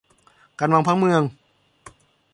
การวางผังเมือง